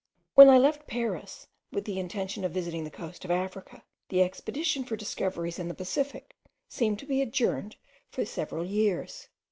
When I left Paris with the intention of visiting the coast of Africa, the expedition for discoveries in the Pacific seemed to be adjourned for several years.